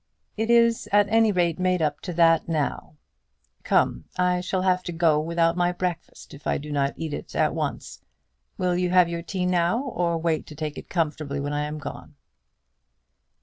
"It is at any rate made up to that now. Come, I shall have to go without my breakfast if I do not eat it at once. Will you have your tea now, or wait and take it comfortably when I am gone?"